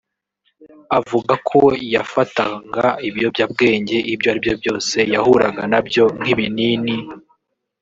Avuga ko yafatanga ibiyobyabwenge ibyo ari byo byose yahuraga na byo nk’ibinini